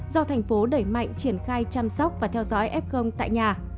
do thành phố đẩy mạnh triển khai chăm sóc và theo dõi f tại nhà